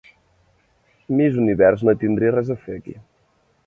Miss Univers no hi tindria res a fer, aquí.